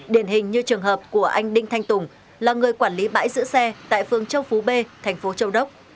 điển hình như trường hợp của anh đinh thanh tùng là người quản lý bãi giữ xe tại phương châu phú b thành phố châu đốc